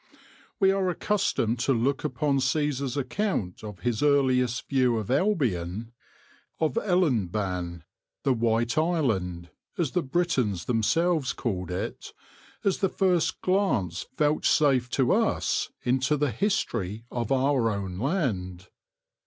We are accustomed to look upon Caesar's account of his earliest view of Albion — of Eilanban, the White Island, as the Britons themselves called it — as the first glance vouchsafed to us into the history of our own land.